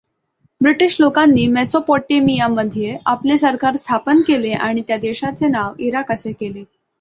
British लोकांनी मेसोपोटेमियामध्ये आपले सरकार स्थापन केले आणि त्या देशाचे नाव इराक असे केले.